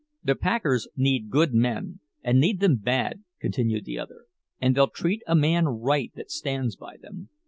"The packers need good men, and need them bad," continued the other, "and they'll treat a man right that stands by them.